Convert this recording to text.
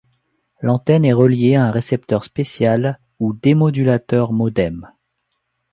L'antenne est reliée à un récepteur spécial ou démodulateur-modem.